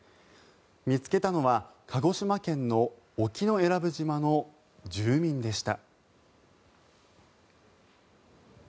見つけたのは鹿児島県の沖永良部島の住民でした。